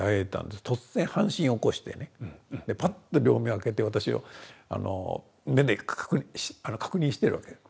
突然半身起こしてねパッと両目を開けて私を目で確認してるわけです。